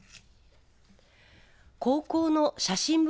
高校の写真部